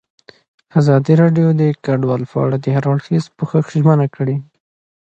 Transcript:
ازادي راډیو د کډوال په اړه د هر اړخیز پوښښ ژمنه کړې.